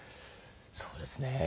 そうですね。